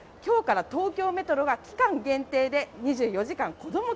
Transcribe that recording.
今日から東京メトロが期間限定で２４時間こども